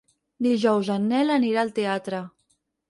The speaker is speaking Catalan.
Dijous en Nel anirà al teatre.